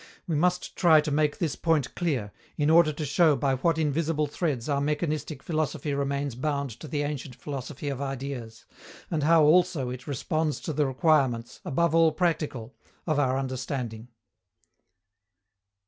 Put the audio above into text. We must try to make this point clear, in order to show by what invisible threads our mechanistic philosophy remains bound to the ancient philosophy of Ideas, and how also it responds to the requirements, above all practical, of our understanding.